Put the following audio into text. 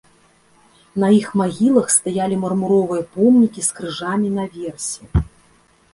На іх магілах стаялі мармуровыя помнікі з крыжамі наверсе.